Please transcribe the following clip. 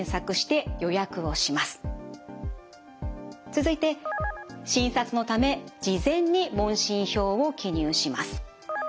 続いて診察のため事前に問診表を記入します。